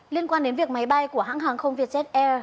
liên quan đến việc máy bay của hãng hàng không việt jet air